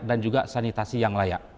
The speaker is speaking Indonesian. dan juga sanitasi yang layak